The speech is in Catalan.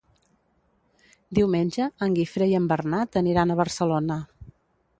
Diumenge en Guifré i en Bernat aniran a Barcelona.